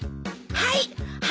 はい！